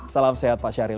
salam sehat pak syahril